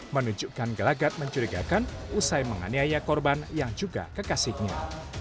menunjukkan gelagat mencurigakan usai menganiaya korban yang juga kekasihnya